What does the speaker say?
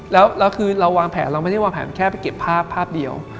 แล้วคือเราวางแผนเราไม่ได้วางแผนแค่ไปเก็บภาพภาพเดียว